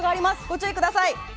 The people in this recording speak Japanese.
ご注意ください。